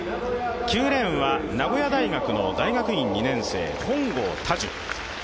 ９レーンは名古屋大学の大学院２年生本郷汰樹。